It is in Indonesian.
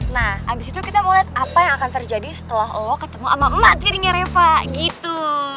nah abis itu kita mau lihat apa yang akan terjadi setelah oh ketemu sama emak tirinya reva gitu